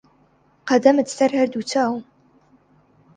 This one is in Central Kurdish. قەدەمت سەر هەر دوو چاوم